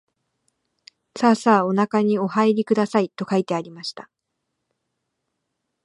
さあさあおなかにおはいりください、と書いてありました